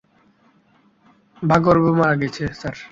ভার্গব মারা গিয়েছে, স্যার।